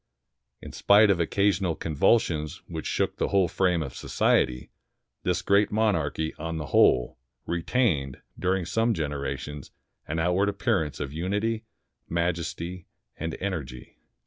In spite of occasional convulsions which shook the whole frame of society, this great monarchy, on the whole, retained, during some generations, an outward appearance of unity, majesty, and energy.